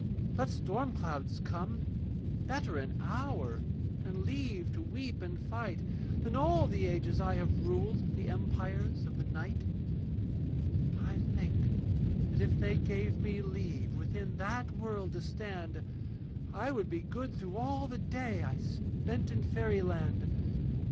Let storm clouds come: better an hour, And leave to weep and fight, Than all the ages I have ruled The empires of the night. I think that if they gave me leave Within that world to stand, I would be good through all the day I spent in fairyland.